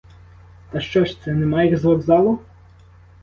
Та що ж це нема їх з вокзалу?